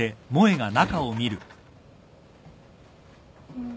うん。